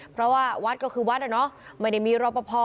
เพราะว่าวัดก็คือวัดอ่ะเนอะไม่ได้มีรอปภ